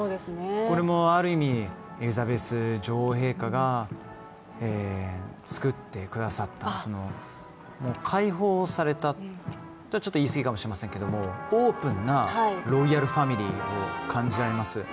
これもある意味、エリザベス女王陛下がつくってくださった解放されたというのはちょっと言い過ぎかもしれませんけどオープンなロイヤル・ファミリーを感じられます。